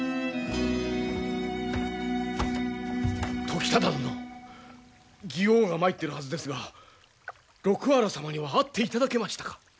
時忠殿妓王が参っているはずですが六波羅様には会っていただけましたか？